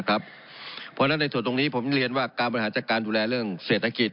เพราะฉะนั้นในส่วนตรงนี้ผมเรียนว่าการบริหารจัดการดูแลเรื่องเศรษฐกิจ